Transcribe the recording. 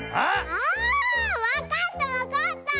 あわかったわかった。